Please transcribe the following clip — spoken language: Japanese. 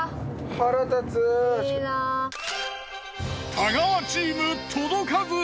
太川チーム届かず。